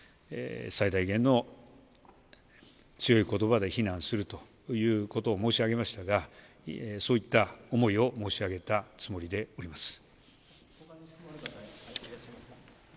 最大限の強いことばで非難するということを申し上げましたが、そういった思いを申し上げたつもりでおります。